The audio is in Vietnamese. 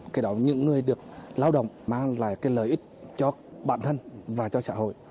cái đó những người được lao động mang lại cái lợi ích cho bản thân và cho xã hội